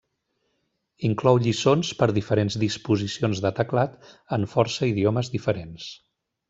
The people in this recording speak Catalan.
Inclou lliçons per diferents disposicions de teclat en força idiomes diferents.